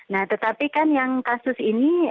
nah tetapi kan yang kasus ini